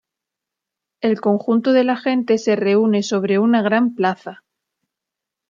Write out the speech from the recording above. El conjunto de la gente se reúne sobre una gran plaza.